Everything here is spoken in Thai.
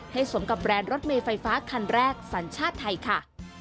สมกับแบรนด์รถเมย์ไฟฟ้าคันแรกสัญชาติไทยค่ะ